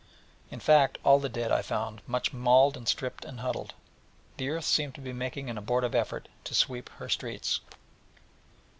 In fact, all the dead I found much mauled and stripped and huddled: and the earth seemed to be making an abortive effort to sweep her streets.